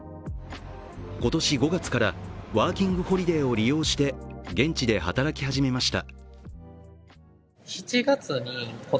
今年５月からワーキングホリデーを利用して現地で働き始めました。